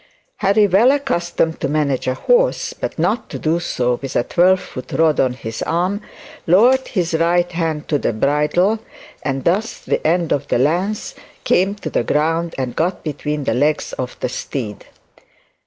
Harry well accustomed to manage a horse, but not to do so with a twelve foot rod on his arm, lowered his right hand to the bridle and thus the end of the lance came to the ground, and got between the legs of the steed.